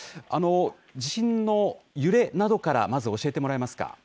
地震の揺れなどからまず、教えてもらえますか。